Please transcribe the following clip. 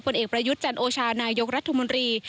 เอกประยุทธ์จันโอชานายกรัฐมนตรี